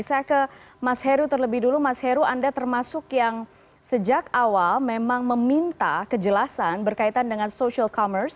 saya ke mas heru terlebih dulu mas heru anda termasuk yang sejak awal memang meminta kejelasan berkaitan dengan social commerce